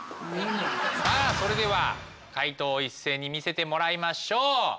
さあそれでは解答を一斉に見せてもらいましょう。